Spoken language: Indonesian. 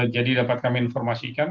jadi dapat kami informasikan